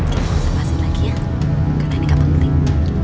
kita pasang pasir lagi ya karena ini gak penting